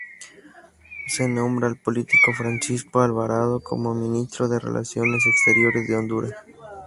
Se nombra al político Francisco Alvarado como Ministro de Relaciones Exteriores de Honduras.